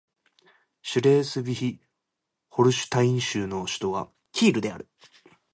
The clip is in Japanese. シュレースヴィヒ＝ホルシュタイン州の州都はキールである